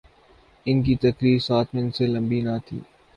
ان کی تقریر سات منٹ سے لمبی نہ تھی۔